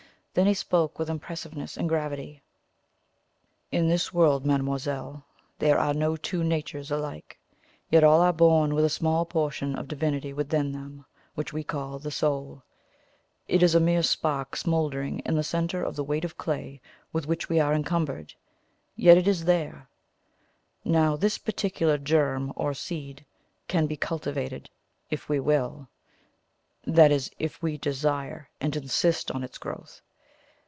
Then he spoke with impressiveness and gravity: "In this world, mademoiselle, there are no two natures alike, yet all are born with a small portion of Divinity within them, which we call the Soul. It is a mere spark smouldering in the centre of the weight of clay with which we are encumbered, yet it is there. Now this particular germ or seed can be cultivated if we will that is, if we desire and insist on its growth.